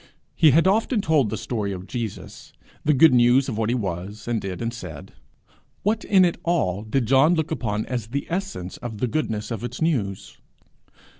He had often told the story of Jesus, the good news of what he was, and did, and said: what in it all did John look upon as the essence of the goodness of its news?